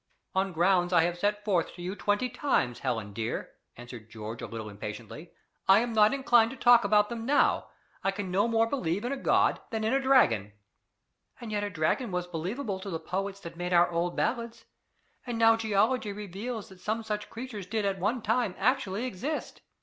"On grounds I have set forth to you twenty times, Helen, dear," answered George a little impatiently. "I am not inclined to talk about them now. I can no more believe in a god than in a dragon." "And yet a dragon was believable to the poets that made our old ballads; and now geology reveals that some such creatures did at one time actually exist."